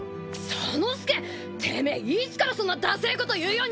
左之助てめえいつからそんなダセえこと言うようにな。